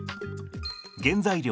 原材料